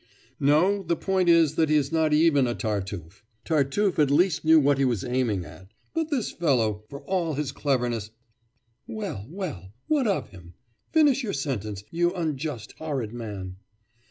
'No, the point is, that he is not even a Tartuffe. Tartuffe at least knew what he was aiming at; but this fellow, for all his cleverness ' 'Well, well, what of him? Finish your sentence, you unjust, horrid man!